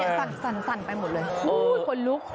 าหลังนี่สั่นไปหมดเลยอุ้ยคนลุก